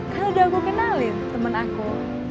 kalau udah aku kenalin temen aku